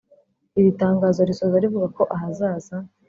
Iri tangazo risoza rivuga ko ahazaza